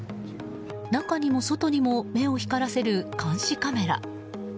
中にも外にも目を光らせる監視カメラ。